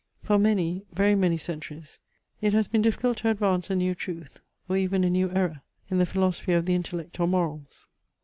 For many, very many centuries, it has been difficult to advance a new truth, or even a new error, in the philosophy of the intellect or morals.